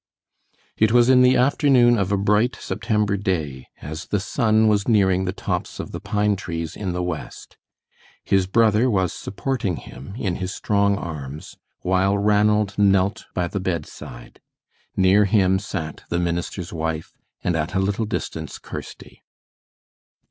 It was in the afternoon of a bright September day, as the sun was nearing the tops of the pine trees in the west. His brother was supporting him in his strong arms, while Ranald knelt by the bedside. Near him sat the minister's wife, and at a little distance Kirsty.